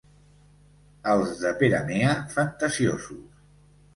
Els de Peramea, fantasiosos.